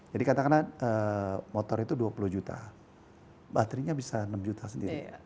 jadi katakanlah motor itu dua puluh juta baterainya bisa enam juta sendiri